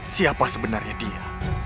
siapa sebenarnya dia